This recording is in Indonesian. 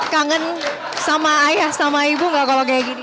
kangen sama ayah sama ibu gak kalau kayak gini